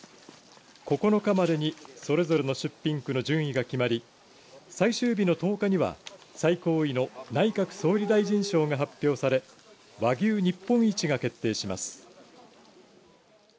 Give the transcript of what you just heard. ９日までにそれぞれの出品区の順位が決まり最終日の１０日には最高位の内閣総理大臣賞が発表され和牛日本一が決定します。